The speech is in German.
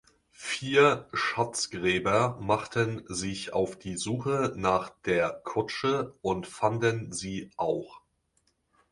Vier Schatzgräber machten sich auf die Suche nach der Kutsche und fanden sie auch.